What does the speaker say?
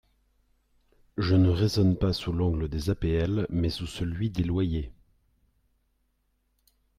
Je ne raisonne pas sous l’angle des APL mais sous celui des loyers.